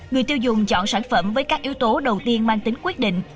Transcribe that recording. người tiêu dùng chọn sản phẩm với các yếu tố đầu tiên mang tính quyết định